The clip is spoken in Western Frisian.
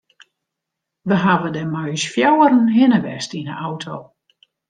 We hawwe dêr mei ús fjouweren hinne west yn de auto.